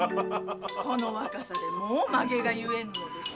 この若さでもう髷が結えぬのです。